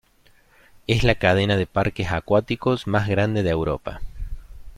Es la cadena de parques acuáticos más grande de Europa.